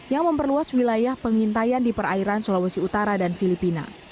yang memperluas wilayah pengintaian di perairan sulawesi utara dan filipina